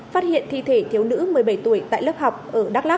phát hiện thi thể thiếu nữ một mươi bảy tuổi tại lớp học ở đắk lắc